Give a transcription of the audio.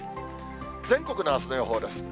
全国のあすの予報です。